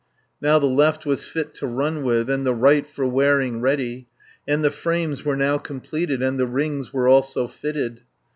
70 Now the left was fit to run with, And the right for wearing ready, And the frames were now completed, And the rings were also fitted.